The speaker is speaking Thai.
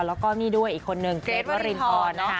แล้วก็นี่ด้วยอีกคนนึงเกรทวรินพรนะคะ